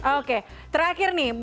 oke terakhir nih